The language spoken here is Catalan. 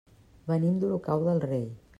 Venim d'Olocau del Rei.